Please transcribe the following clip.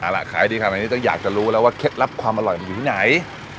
ขายให้ได้แค่เมื่อนี้อยากจะรู้แล้วว่าเข็ดลับความอร่อยมันอยู่ที่ไหน